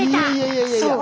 そう。